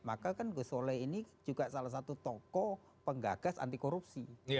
maka kan gus soleh ini juga salah satu tokoh penggagas anti korupsi